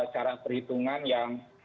cara perhitungan yang